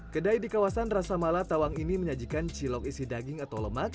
kedai di kawasan rasa mala tawang ini menyajikan cilok isi daging atau lemak